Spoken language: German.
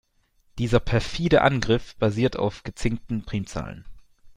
Dieser perfide Angriff basiert auf gezinkten Primzahlen.